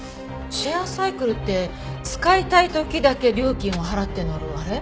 シェアサイクルって使いたい時だけ料金を払って乗るあれ？